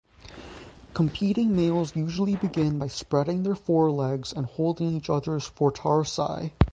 Competing males usually begin by spreading their forelegs and holding each other's foretarsi.